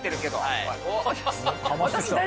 はい。